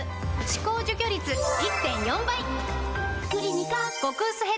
歯垢除去率 １．４ 倍！